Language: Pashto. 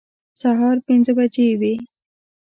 سهار پنځه بجې وې.